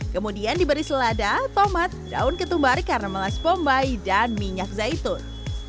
kemudian diberi selada tomat daun ketumbar karena melas bombay dan minyak zaitun